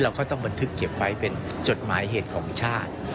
ก็ต้องบันทึกเก็บไว้เป็นจดหมายเหตุของชาติ